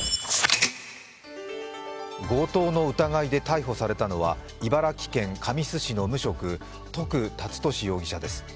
強盗の疑いで逮捕されたのは茨城県神栖市の無職徳龍敏容疑者です。